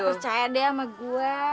percaya deh sama gue